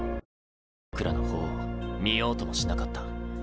僕らの方を見ようともしなかった。